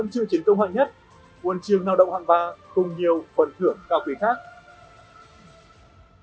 cùng nhiều phần thưởng cao kỳ khác